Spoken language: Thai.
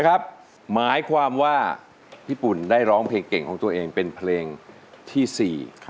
หมายความว่าพี่ปุ่นได้ร้องเพลงเก่งของตัวเองเป็นเพลงที่๔